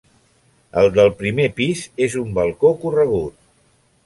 El del primer pis és un balcó corregut.